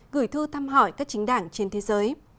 gửi thư thăm hỏi các chính đảng trên thế giới